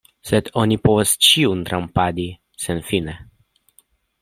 Sed oni ne povas ĉiun trompadi senfine.